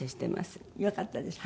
よかったですね。